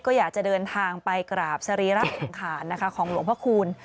ก็อยากจะเดินทางไปกราบสรีระสังขารนะคะของหลวงพระคูณ